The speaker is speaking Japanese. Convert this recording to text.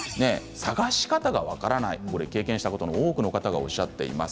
探し方が分からないという経験した方も多くがおっしゃっています。